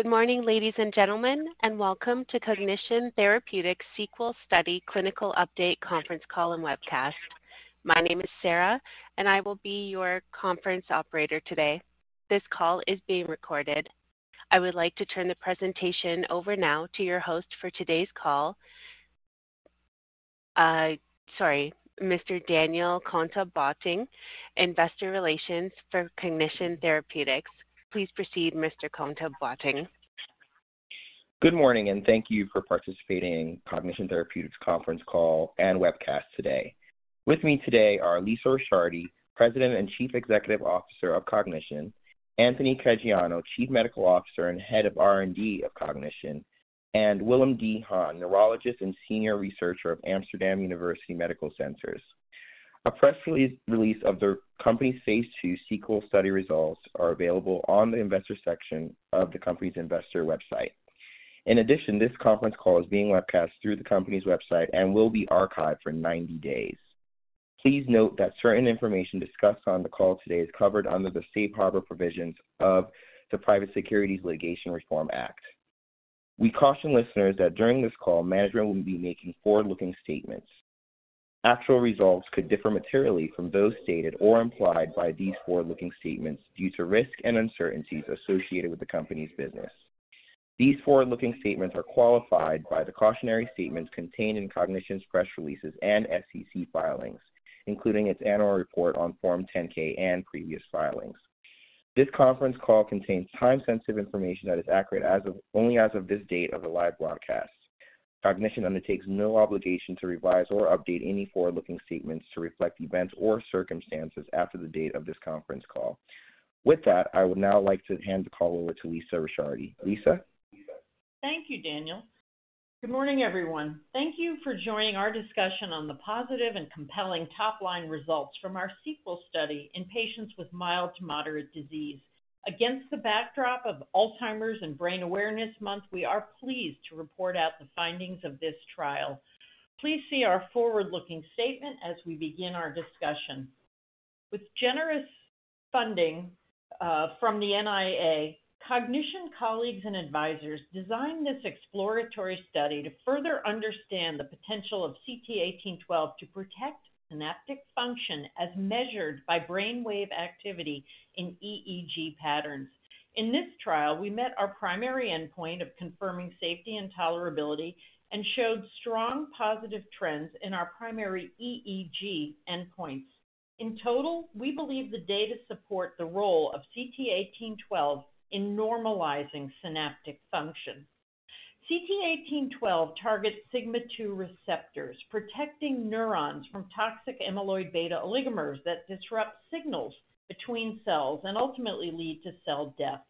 Good morning, ladies and gentlemen, and welcome to Cognition Therapeutics SEQUEL Study Clinical Update conference call and webcast. My name is Sarah, and I will be your conference operator today. This call is being recorded. I would like to turn the presentation over now to your host for today's call, sorry, Mr. Daniel Kontoh-Boateng, Investor Relations for Cognition Therapeutics. Please proceed, Mr. Kontoh-Boateng. Good morning. Thank you for participating in Cognition Therapeutics conference call and webcast today. With me today are Lisa Ricciardi, President and Chief Executive Officer of Cognition; Anthony Caggiano, Chief Medical Officer and Head of R&D of Cognition; and Willem de Haan, neurologist and senior researcher of Amsterdam University Medical Centers. A press release of the company's phase II SEQUEL study results are available on the investor section of the company's investor website. In addition, this conference call is being webcast through the company's website and will be archived for 90 days. Please note that certain information discussed on the call today is covered under the safe harbor provisions of the Private Securities Litigation Reform Act. We caution listeners that during this call, management will be making forward-looking statements. Actual results could differ materially from those stated or implied by these forward-looking statements due to risks and uncertainties associated with the company's business. These forward-looking statements are qualified by the cautionary statements contained in Cognition's press releases and SEC filings, including its annual report on Form 10-K and previous filings. This conference call contains time-sensitive information that is accurate only as of this date of the live broadcast. Cognition undertakes no obligation to revise or update any forward-looking statements to reflect events or circumstances after the date of this conference call. With that, I would now like to hand the call over to Lisa Ricciardi. Lisa? Thank you, Daniel Kontoh-Boateng. Good morning, everyone. Thank you for joining our discussion on the positive and compelling top-line results from our SEQUEL study in patients with mild-to-moderate disease. Against the backdrop of Alzheimer's & Brain Awareness Month, we are pleased to report out the findings of this trial. Please see our forward-looking statement as we begin our discussion. With generous funding from the NIA, Cognition colleagues and advisors designed this exploratory study to further understand the potential of CT1812 to protect synaptic function as measured by brainwave activity in EEG patterns. In this trial, we met our primary endpoint of confirming safety and tolerability and showed strong positive trends in our primary EEG endpoints. In total, we believe the data support the role of CT1812 in normalizing synaptic function. CT1812 targets sigma-2 receptors, protecting neurons from toxic amyloid beta oligomers that disrupt signals between cells and ultimately lead to cell death.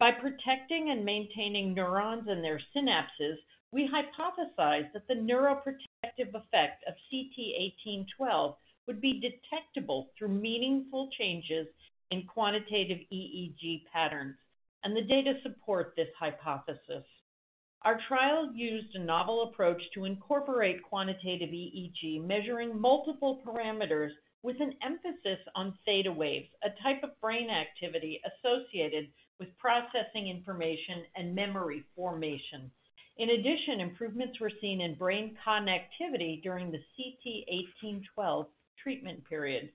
By protecting and maintaining neurons and their synapses, we hypothesized that the neuroprotective effect of CT1812 would be detectable through meaningful changes in quantitative EEG patterns, and the data support this hypothesis. Our trial used a novel approach to incorporate quantitative EEG, measuring multiple parameters with an emphasis on theta waves, a type of brain activity associated with processing information and memory formation. In addition, improvements were seen in brain connectivity during the CT1812 treatment period.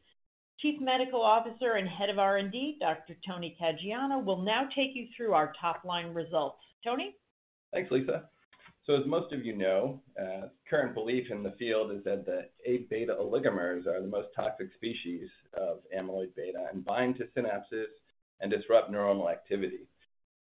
Chief Medical Officer and Head of R&D, Dr. Anthony Caggiano, will now take you through our top-line results. Tony? Thanks, Lisa. As most of you know, current belief in the field is that the Aβ oligomers are the most toxic species of amyloid-beta and bind to synapses and disrupt neuronal activity.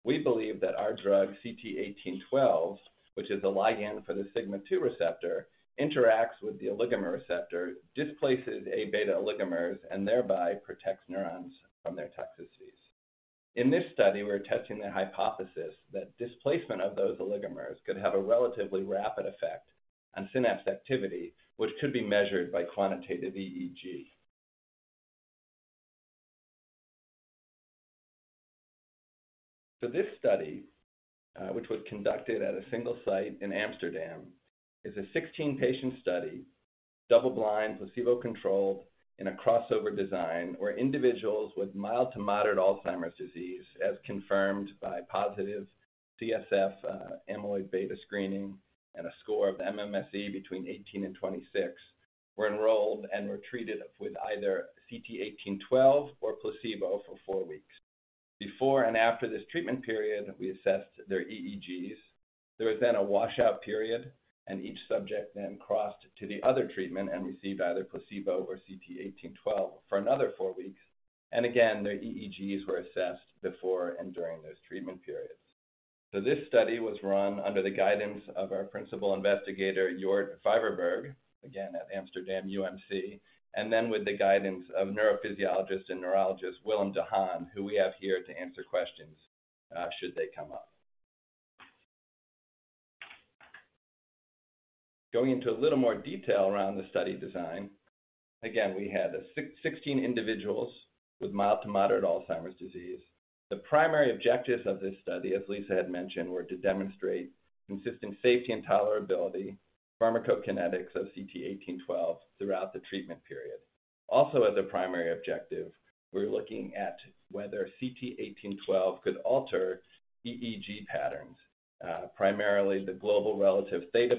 We believe that our drug, CT1812, which is a ligand for the sigma-2 receptor, interacts with the oligomer receptor, displaces Aβ oligomers, and thereby protects neurons from their toxicities. In this study, we're testing the hypothesis that displacement of those oligomers could have a relatively rapid effect on synapse activity, which could be measured by quantitative EEG. This study, which was conducted at a single site in Amsterdam, is a 16-patient study, double-blind, placebo-controlled in a crossover design, where individuals with mild to moderate Alzheimer's disease, as confirmed by positive CSF, amyloid beta screening and a score of MMSE between 18 and 26, were enrolled and were treated with either CT1812 or placebo for 4 weeks. Before and after this treatment period, we assessed their EEGs. There was a washout period and each subject then crossed to the other treatment and received either placebo or CT1812 for another 4 weeks. Again, their EEGs were assessed before and during those treatment periods. This study was run under the guidance of our principal investigator, Jort Vijverberg, again at Amsterdam UMC, and then with the guidance of neurophysiologist and neurologist Willem de Haan, who we have here to answer questions, should they come up. Going into a little more detail around the study design, again, we had 16 individuals with mild-to-moderate Alzheimer's disease. The primary objectives of this study, as Lisa had mentioned, were to demonstrate consistent safety and tolerability, pharmacokinetics of CT1812 throughout the treatment period. Also as a primary objective, we're looking at whether CT1812 could alter EEG patterns. Primarily the global relative theta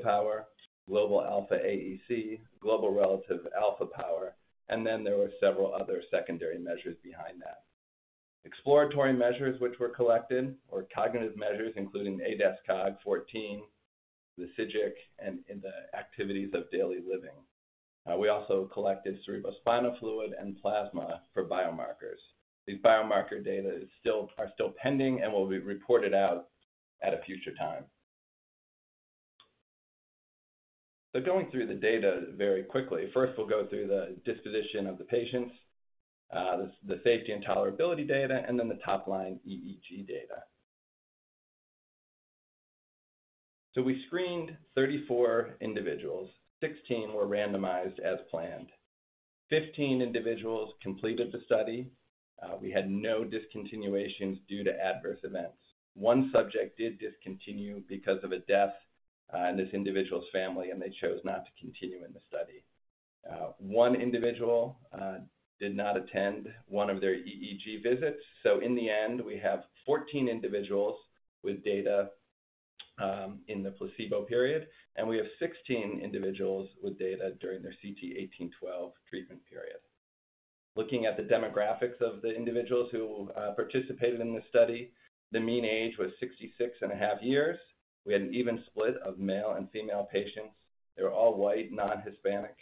power, global alpha AEC, global relative alpha power, and then there were several other secondary measures behind that. Exploratory measures which were collected, or cognitive measures, including ADAS-Cog-14, the CJC, and in the activities of daily living. We also collected cerebrospinal fluid and plasma for biomarkers. These biomarker data are still pending and will be reported out at a future time. Going through the data very quickly. First, we'll go through the disposition of the patients, the safety and tolerability data, and then the top-line EEG data. We screened 34 individuals. 16 were randomized as planned. 15 individuals completed the study. We had no discontinuations due to adverse events. One subject did discontinue because of a death in this individual's family, and they chose not to continue in the study. One individual did not attend one of their EEG visits, in the end, we have 14 individuals with data in the placebo period, and we have 16 individuals with data during their CT1812 treatment period. Looking at the demographics of the individuals who participated in this study, the mean age was 66.5 years. We had an even split of male and female patients. They were all white, non-Hispanic.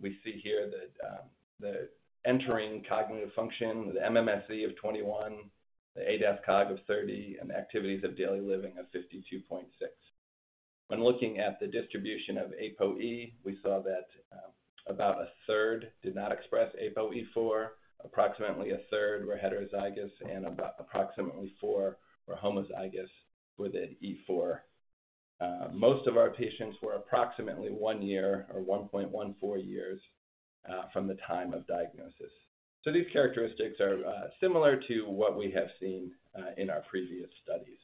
We see here that the entering cognitive function, the MMSE of 21, the ADAS-Cog of 30, and activities of daily living of 52.6. When looking at the distribution of APOE, we saw that about a 3rd did not express APOE4, approximately a 4rd were heterozygous, and about approximately four were homozygous with an E4. Most of our patients were approximately one year or 1.14 years, from the time of diagnosis. These characteristics are similar to what we have seen in our previous studies.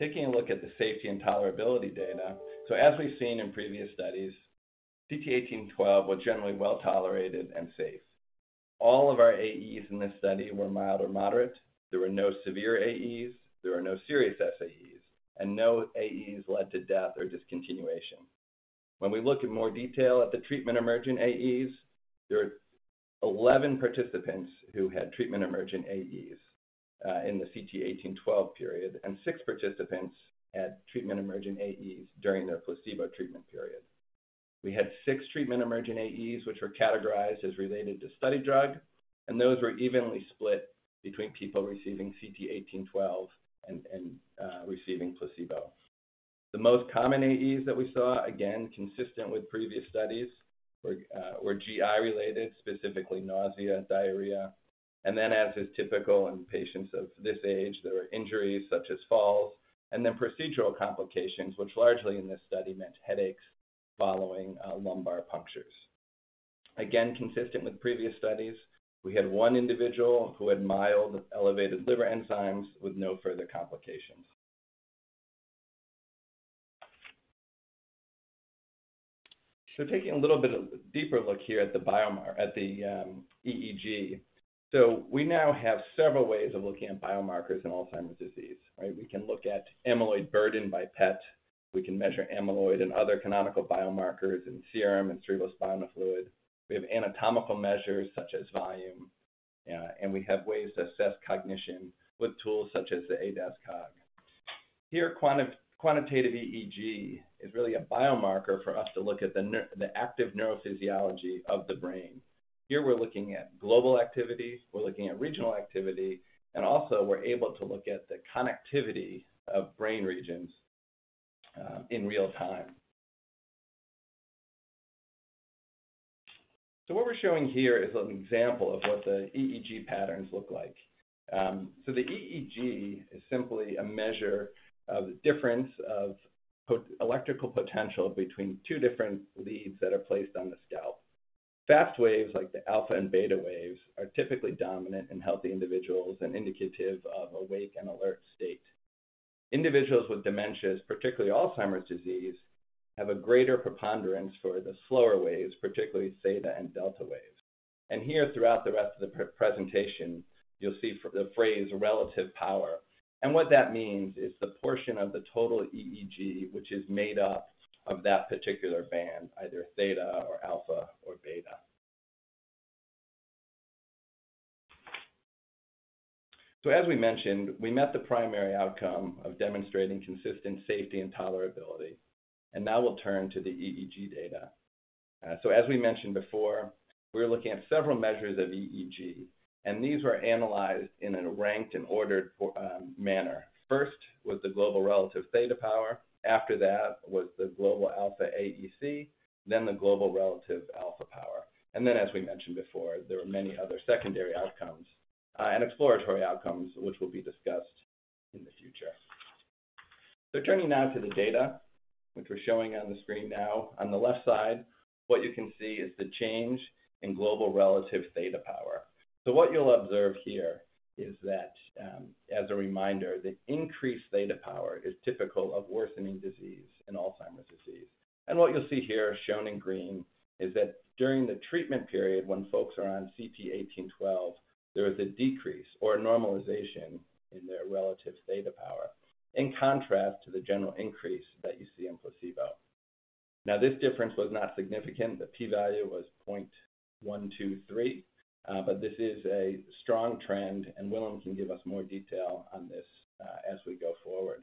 Taking a look at the safety and tolerability data. As we've seen in previous studies, CT1812 was generally well-tolerated and safe. All of our AEs in this study were mild or moderate. There were no severe AEs, there were no serious SAEs, and no AEs led to death or discontinuation. When we look in more detail at the treatment-emergent AEs, there are 11 participants who had treatment-emergent AEs in the CT1812 period, and six participants had treatment-emergent AEs during their placebo treatment period. We had six treatment-emergent AEs, which were categorized as related to study drug, and those were evenly split between people receiving CT1812 and receiving placebo. The most common AEs that we saw, again, consistent with previous studies, were GI related, specifically nausea, diarrhea. As is typical in patients of this age, there were injuries such as falls, procedural complications, which largely in this study meant headaches following lumbar punctures. Consistent with previous studies, we had one individual who had mild elevated liver enzymes with no further complications. Taking a little bit of a deeper look here at the biomarker, at the EEG. We now have several ways of looking at biomarkers in Alzheimer's disease, right? We can look at amyloid burden by PET. We can measure amyloid and other canonical biomarkers in serum and cerebrospinal fluid. We have anatomical measures such as volume, and we have ways to assess cognition with tools such as the ADAS-Cog. Here, quantitative EEG is really a biomarker for us to look at the active neurophysiology of the brain. Here, we're looking at global activity, we're looking at regional activity, and also we're able to look at the connectivity of brain regions in real time. What we're showing here is an example of what the EEG patterns look like. The EEG is simply a measure of the difference of electrical potential between two different leads that are placed on the scalp. Fast waves, like the alpha and beta waves, are typically dominant in healthy individuals and indicative of awake and alert state. Individuals with dementias, particularly Alzheimer's disease, have a greater preponderance for the slower waves, particularly theta and delta waves. And here, throughout the rest of the presentation, you'll see the phrase relative power. What that means is the portion of the total EEG, which is made up of that particular band, either theta or alpha or beta. As we mentioned, we met the primary outcome of demonstrating consistent safety and tolerability, and now we'll turn to the EEG data. As we mentioned before, we're looking at several measures of EEG, and these were analyzed in a ranked and ordered for manner. First, was the global relative theta power. After that, was the global alpha AEC, then the global relative alpha power. Then, as we mentioned before, there were many other secondary outcomes and exploratory outcomes, which will be discussed in the future. Turning now to the data, which we're showing on the screen now, on the left side, what you can see is the change in global relative theta power. What you'll observe here is that, as a reminder, the increased theta power is typical of worsening disease in Alzheimer's disease. What you'll see here, shown in green, is that during the treatment period when folks are on CT1812, there is a decrease or a normalization in their relative theta power, in contrast to the general increase that you see in placebo. Now, this difference was not significant. The p-value was 0.123, but this is a strong trend, and Willem can give us more detail on this as we go forward.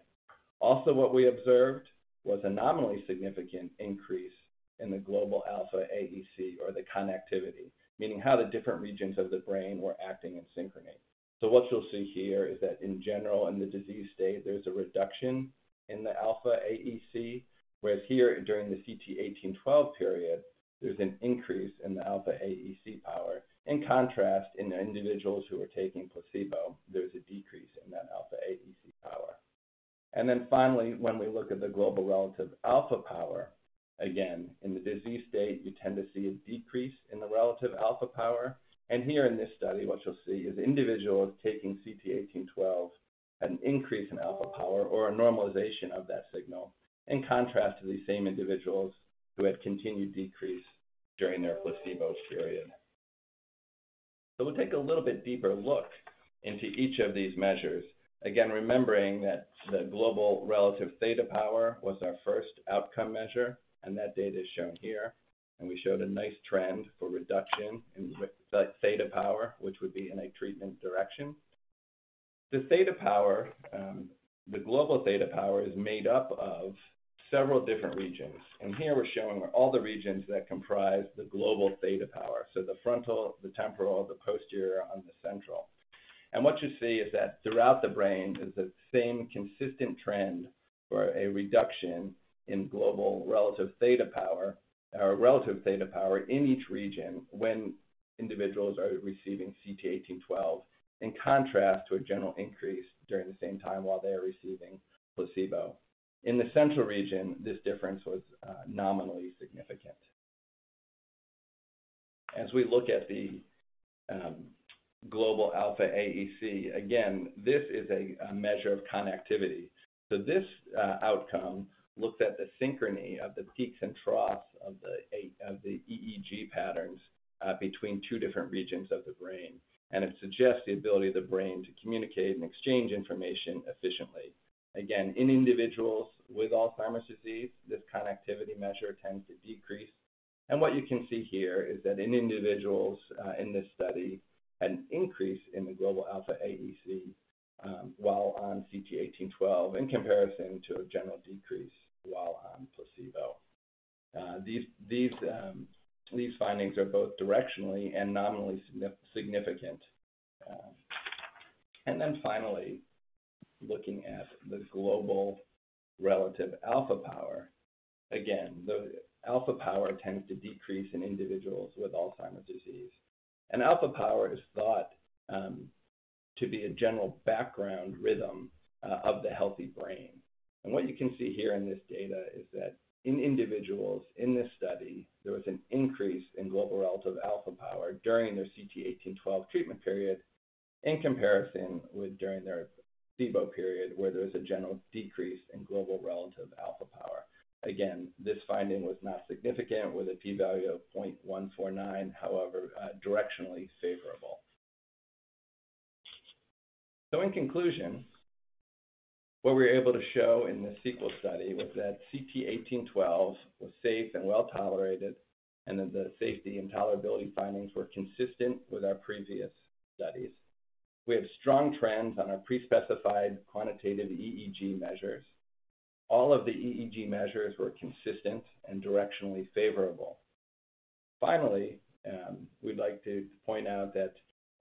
Also, what we observed was a nominally significant increase in the global alpha AEC, or the connectivity, meaning how the different regions of the brain were acting in synchrony. What you'll see here is that in general, in the disease state, there's a reduction in the alpha AEC. Whereas here, during the CT1812 period, there's an increase in the alpha AEC power. In the individuals who are taking placebo, there's a decrease in that alpha AEC power. Finally, when we look at the global relative alpha power, again, in the disease state, you tend to see a decrease in the relative alpha power. Here in this study, what you'll see is individuals taking CT1812 had an increase in alpha power or a normalization of that signal. In contrast to these same individuals who had continued decrease during their placebo period. We'll take a little bit deeper look into each of these measures. Again, remembering that the global relative theta power was our first outcome measure, and that data is shown here. We showed a nice trend for reduction in, with that theta power, which would be in a treatment direction. The theta power, the global theta power, is made up of several different regions, and here we're showing all the regions that comprise the global theta power, so the frontal, the temporal, the posterior, and the central. What you see is that throughout the brain is the same consistent trend, or a reduction in global relative theta power or relative theta power in each region when individuals are receiving CT1812, in contrast to a general increase during the same time while they are receiving placebo. In the central region, this difference was nominally significant. As we look at the global alpha AEC, again, this is a measure of connectivity. This outcome looks at the synchrony of the peaks and troughs of the of the EEG patterns, between two different regions of the brain, and it suggests the ability of the brain to communicate and exchange information efficiently. Again, in individuals with Alzheimer's disease, this connectivity measure tends to decrease. What you can see here is that in individuals, in this study, an increase in the global alpha AEC, while on CT1812 in comparison to a general decrease while on placebo. These findings are both directionally and nominally significant. Finally, looking at the global relative alpha power. Again, the alpha power tends to decrease in individuals with Alzheimer's disease. Alpha power is thought to be a general background rhythm of the healthy brain. What you can see here in this data is that in individuals in this study, there was an increase in global relative alpha power during their CT1812 treatment period in comparison with during their placebo period, where there was a general decrease in global relative alpha power. Again, this finding was not significant, with a p-value of 0.149, however, directionally favorable. In conclusion, what we were able to show in the SEQUEL study was that CT1812 was safe and well-tolerated and that the safety and tolerability findings were consistent with our previous studies. We have strong trends on our prespecified quantitative EEG measures. All of the EEG measures were consistent and directionally favorable. Finally, we'd like to point out that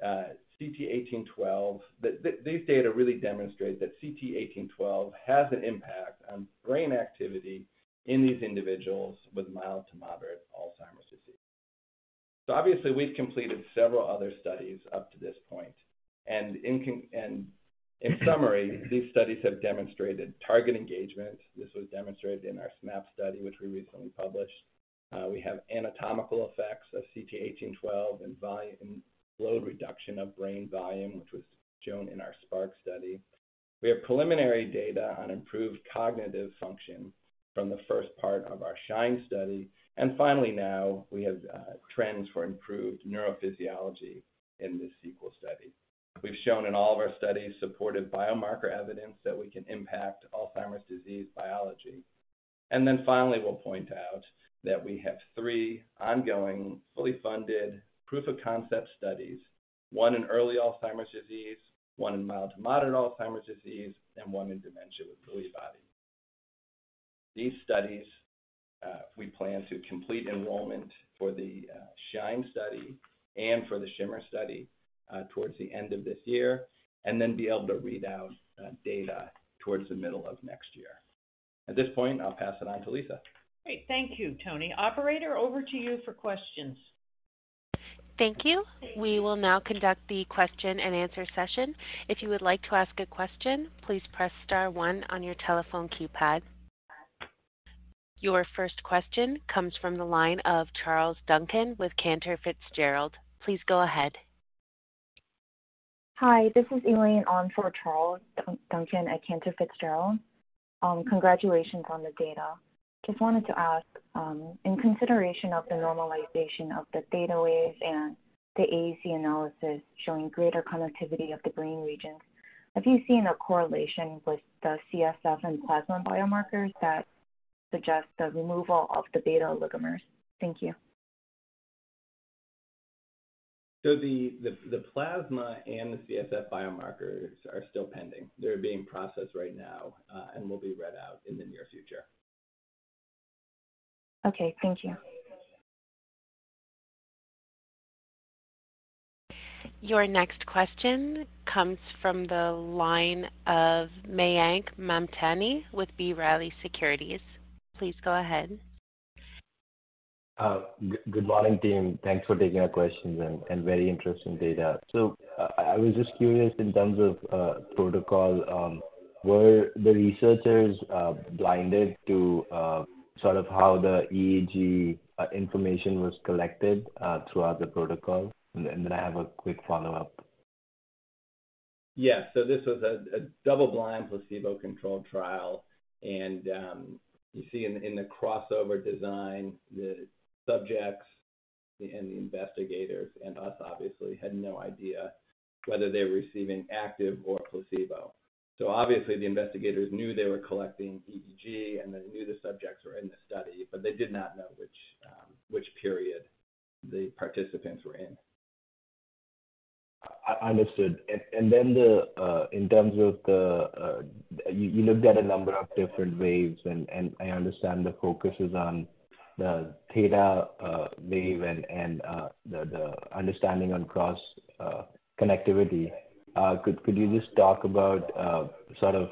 CT1812, these data really demonstrate that CT1812 has an impact on brain activity in these individuals with mild to moderate Alzheimer's disease. Obviously, we've completed several other studies up to this point, and in summary, these studies have demonstrated target engagement. This was demonstrated in our SNAP study, which we recently published. We have anatomical effects of CT1812 and volume, slow reduction of brain volume, which was shown in our SPARC study. We have preliminary data on improved cognitive function from the 1st part of our SHINE study. Finally, now, we have trends for improved neurophysiology in this SEQUEL study. We've shown in all of our studies supportive biomarker evidence that we can impact Alzheimer's disease biology. Finally, we'll point out that we have three ongoing, fully funded proof-of-concept studies, one in early Alzheimer's disease, one in mild to moderate Alzheimer's disease, and one in dementia with Lewy bodies. These studies, we plan to complete enrollment for the SHINE study and for the SHIMMER study towards the end of this year, and then be able to read out data towards the middle of next year. At this point, I'll pass it on to Lisa. Great. Thank you, Tony. Operator, over to you for questions. Thank you. We will now conduct the question and answer session. If you would like to ask a question, please press star one on your telephone keypad. Your first question comes from the line of Charles Duncan with Cantor Fitzgerald. Please go ahead. Hi, this is Elaine on for Charles Duncan at Cantor Fitzgerald. Congratulations on the data. Just wanted to ask, in consideration of the normalization of the data waves and the AEC analysis showing greater connectivity of the brain regions, have you seen a correlation with the CSF and plasma biomarkers that suggest the removal of the beta oligomers? Thank you. The plasma and the CSF biomarkers are still pending. They're being processed right now, and will be read out in the near future. Okay. Thank you. Your next question comes from the line of Mayank Mamtani with B. Riley Securities. Please go ahead. Good morning, team. Thanks for taking our questions and very interesting data. I was just curious in terms of protocol, were the researchers blinded to sort of how the EEG information was collected throughout the protocol? I have a quick follow-up. This was a double-blind, placebo-controlled trial. You see in the crossover design, the subjects and the investigators, and us obviously, had no idea whether they were receiving active or placebo. Obviously, the investigators knew they were collecting EEG, and they knew the subjects were in the study, but they did not know which period the participants were in. Understood. Then the in terms of the you looked at a number of different waves, I understand the focus is on the theta wave and the understanding on cross connectivity. Could you just talk about, sort of,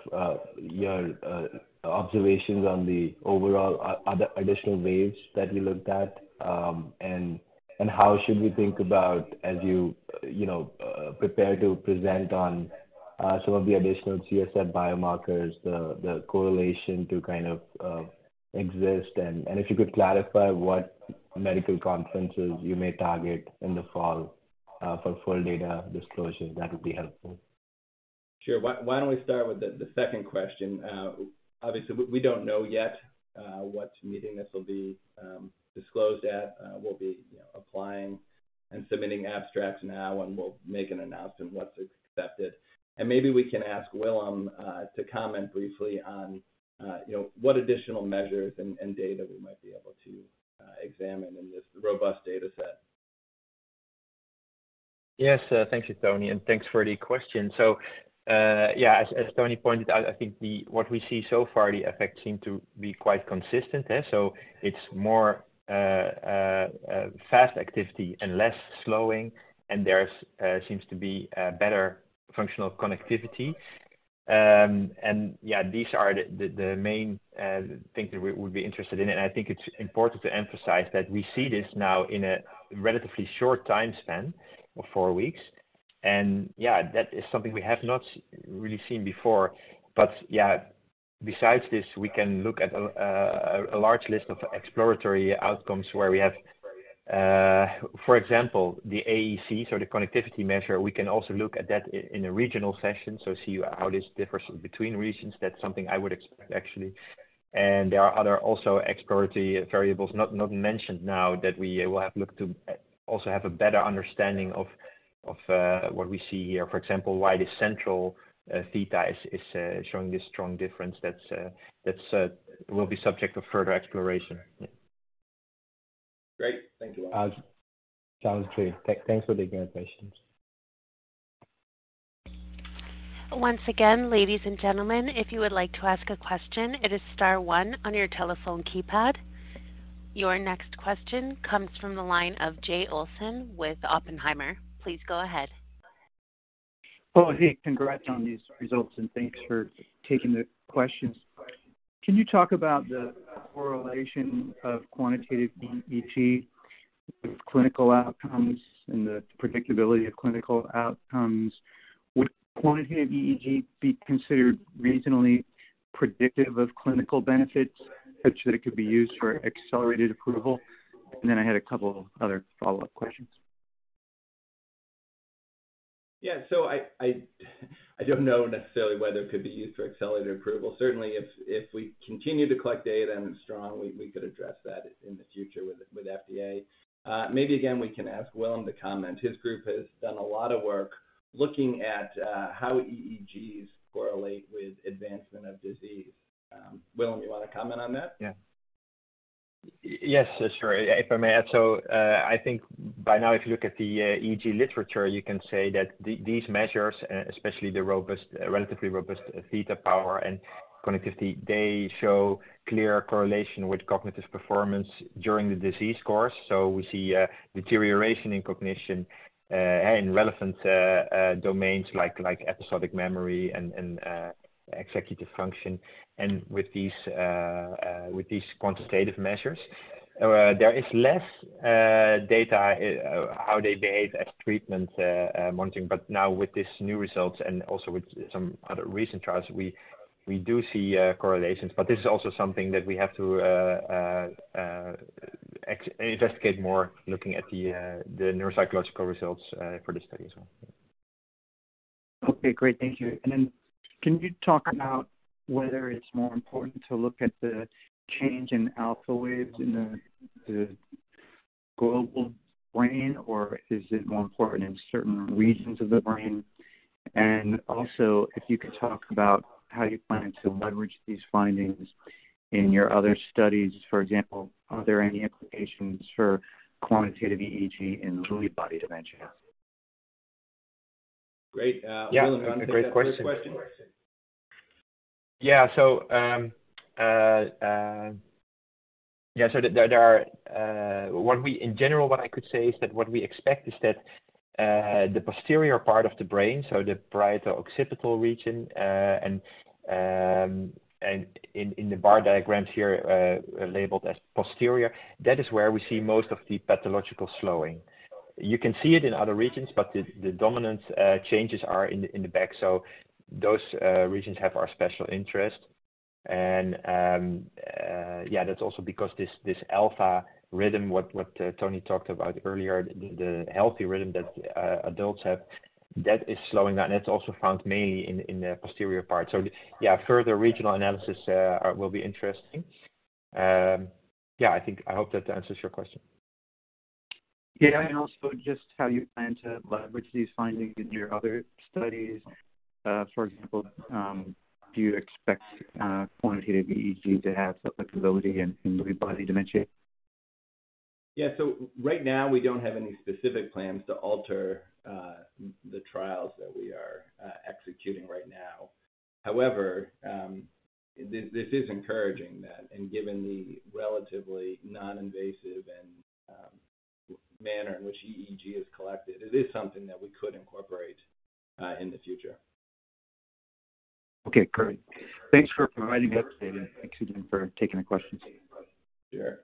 your observations on the overall other additional waves that you looked at? How should we think about as you know, prepare to present on, some of the additional CSF biomarkers, the correlation to kind of exist? If you could clarify what medical conferences you may target in the fall, for full data disclosure, that would be helpful. Sure. Why don't we start with the second question? Obviously, we don't know yet what meeting this will be disclosed at. We'll be, you know, applying and submitting abstracts now, and we'll make an announcement once it's accepted. Maybe we can ask Willem to comment briefly on, you know, what additional measures and data we might be able to examine in this robust data set. Yes, thank you, Tony, and thanks for the question. Yeah, as Tony pointed out, I think the- what we see so far, the effects seem to be quite consistent, eh? It's more fast activity and less slowing, and there's seems to be a better functional connectivity. Yeah, these are the main things that we would be interested in. I think it's important to emphasize that we see this now in a relatively short time span of four weeks. Yeah, that is something we have not really seen before. Yeah, besides this, we can look at a large list of exploratory outcomes where we have, for example, the AEC, so the connectivity measure, we can also look at that in a regional session, so see how this differs between regions. That's something I would expect, actually. There are other also exploratory variables not mentioned now, that we will have looked to also have a better understanding of what we see here, for example, why the central theta is showing this strong difference. That's will be subject of further exploration. Great. Thank you. Sounds great. Thanks for taking our questions. Once again, ladies and gentlemen, if you would like to ask a question, it is star one on your telephone keypad. Your next question comes from the line of Jay Olson with Oppenheimer. Please go ahead. Oh, hey. Congrats on these results and thanks for taking the questions. Can you talk about the correlation of quantitative EEG with clinical outcomes and the predictability of clinical outcomes? Would Quantitative EEG be considered reasonably predictive of clinical benefits, such that it could be used for accelerated approval? I had a couple of other follow-up questions. I don't know necessarily whether it could be used for accelerated approval. Certainly, if we continue to collect data and it's strong, we could address that in the future with FDA. maybe again, we can ask Willem to comment. His group has done a lot of work looking at how EEGs correlate with advancement of disease. Willem, you want to comment on that? Yes, sure, if I may add. So I think by now, if you look at the EEG literature, you can say that these measures, especially the robust, relatively robust theta power and connectivity, they show clear correlation with cognitive performance during the disease course. We see deterioration in cognition and relevant domains like episodic memory and executive function, and with these quantitative measures. There is less data how they behave as treatment monitoring. Now with these new results and also with some other recent trials, we do see correlations. This is also something that we have to investigate more, looking at the neuropsychological results for the study as well. Okay, great. Thank you. Can you talk about whether it's more important to look at the change in alpha waves in the global brain, or is it more important in certain regions of the brain? And also, if you could talk about how you plan to leverage these findings in your other studies. For example, are there any implications for quantitative EEG in Lewy body dementia? Great. Yeah. Great question. Great question. In general, what I could say is that what we expect is that the posterior part of the brain, so the parieto-occipital region, and in the bar diagrams here, labeled as posterior, that is where we see most of the pathological slowing. You can see it in other regions, but the dominant changes are in the back. Those regions have our special interest. That's also because this alpha rhythm, what Tony talked about earlier, the healthy rhythm that adults have, that is slowing down, and that's also found mainly in the posterior part. Further regional analysis will be interesting. I hope that answers your question. Yeah, also just how you plan to leverage these findings in your other studies. For example, do you expect quantitative EEG to have applicability in Lewy body dementia? Yeah. Right now, we don't have any specific plans to alter the trials that we are executing right now. However, this is encouraging that, and given the relatively non-invasive and manner in which EEG is collected, it is something that we could incorporate in the future. Okay, great. Thanks for providing the update. Thank you again for taking the questions. Sure.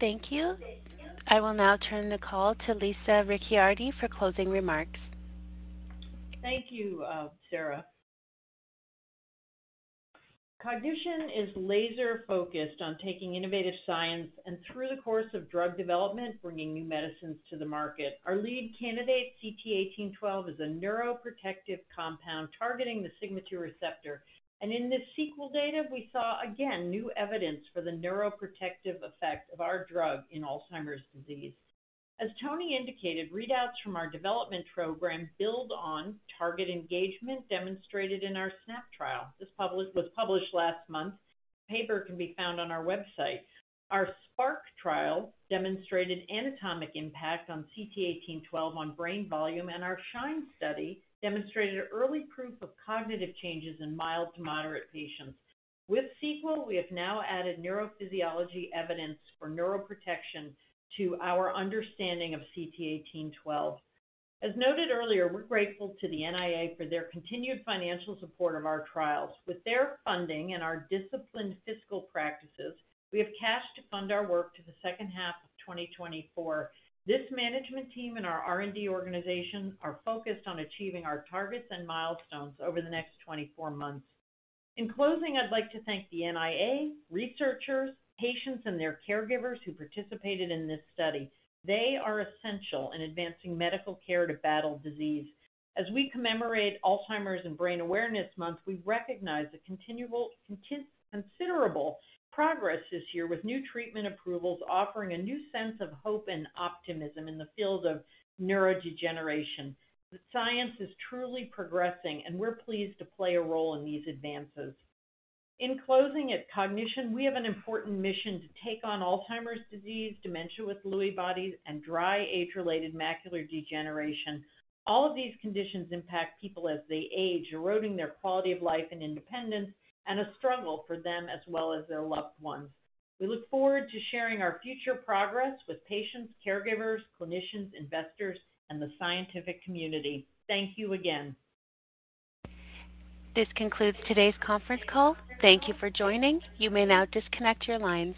Thank you. I will now turn the call to Lisa Ricciardi for closing remarks. Thank you, Sarah. Cognition is laser-focused on taking innovative science and through the course of drug development, bringing new medicines to the market. Our lead candidate, CT1812, is a neuroprotective compound targeting the sigma-2 receptor, and in this SEQUEL data, we saw, again, new evidence for the neuroprotective effect of our drug in Alzheimer's disease. As Tony indicated, readouts from our development program build on target engagement demonstrated in our SNAP trial. This was published last month. The paper can be found on our website. Our SPARC trial demonstrated anatomic impact on CT1812 on brain volume, and our SHINE study demonstrated early proof of cognitive changes in mild to moderate patients. With SEQUEL, we have now added neurophysiology evidence for neuroprotection to our understanding of CT1812. As noted earlier, we're grateful to the NIA for their continued financial support of our trials. With their funding and our disciplined fiscal practices, we have cash to fund our work to the 2nd half of 2024. This management team and our R&D organization are focused on achieving our targets and milestones over the next 24 months. In closing, I'd like to thank the NIA, researchers, patients, and their caregivers who participated in this study. They are essential in advancing medical care to battle disease. As we commemorate Alzheimer's and Brain Awareness Month, we recognize the considerable progress this year, with new treatment approvals offering a new sense of hope and optimism in the field of neurodegeneration. The science is truly progressing, and we're pleased to play a role in these advances. In closing, at Cognition, we have an important mission to take on Alzheimer's disease, dementia with Lewy bodies, and dry age-related macular degeneration. All of these conditions impact people as they age, eroding their quality of life and independence, and a struggle for them as well as their loved ones. We look forward to sharing our future progress with patients, caregivers, clinicians, investors, and the scientific community. Thank you again. This concludes today's conference call. Thank you for joining. You may now disconnect your lines.